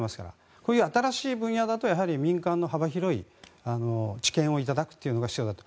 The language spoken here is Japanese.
こういう新しい分野だと民間の幅広い知見を頂くというのが必要だと。